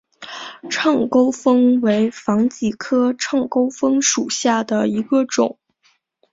秤钩风为防己科秤钩风属下的一个种。